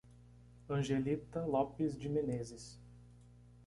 Angelita Lopes de Menezes